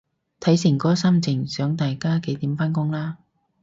睇誠哥心情想大家幾點返工啦